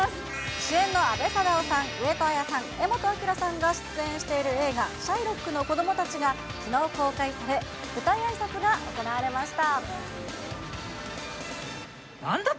主演の阿部サダヲさん、上戸彩さん、柄本明さんが出演している映画、シャイロックの子供たちがきのう公開され、舞台あいさつが行われなんだって？